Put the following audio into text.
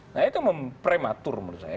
nah itu memprematur menurut saya